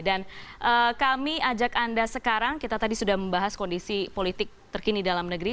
dan kami ajak anda sekarang kita tadi sudah membahas kondisi politik terkini dalam negeri